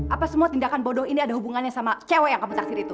apa semua tindakan bodoh ini ada hubungannya sama cewek yang kamu tafsir itu